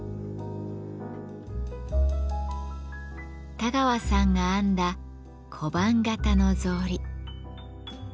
田川さんが編んだ小判形の草履。